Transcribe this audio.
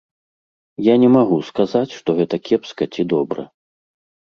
Я не магу сказаць, што гэта кепска ці добра.